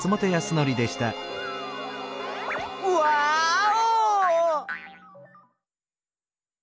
ワーオ！